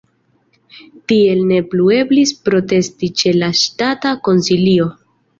Tiel ne plu eblis protesti ĉe la Ŝtata Konsilio.